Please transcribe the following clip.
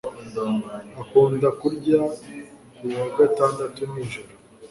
Akunda kurya ku wa gatandatu nijoro.